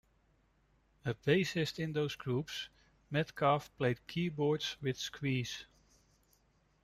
A bassist in those groups, Metcalfe played keyboards with Squeeze.